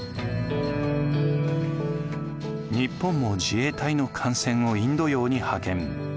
日本も自衛隊の艦船をインド洋に派遣。